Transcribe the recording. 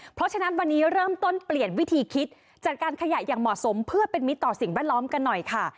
เพราะฉะนั้นวันนี้เริ่มต้นเปลี่ยนวิธีคิดจัดการขยะอย่างเหมาะสมเพื่อเป็นมิตรต่อสิ่งแวดล้อมกันหน่อยค่ะ